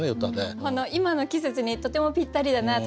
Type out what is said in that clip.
この今の季節にとてもぴったりだなと。